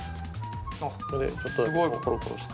これでちょっとコロコロして。